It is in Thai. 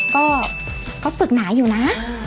ก็ก็ปึกหน่าอยู่นะ